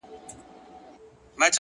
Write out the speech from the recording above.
علم د هدفونو درک اسانه کوي,